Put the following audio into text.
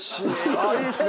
あっいいですね。